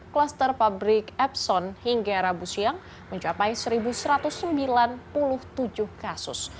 kluster pabrik epson hingga rabu siang mencapai satu satu ratus sembilan puluh tujuh kasus